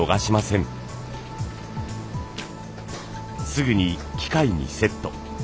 すぐに機械にセット。